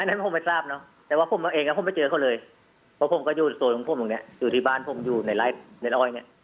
นั้นผมไม่ทราบเนอะแต่ว่าผมเอาเองผมไปเจอเขาเลยเพราะผมก็อยู่โซนของผมตรงนี้อยู่ที่บ้านผมอยู่ในไล่ในร้อยเนี้ย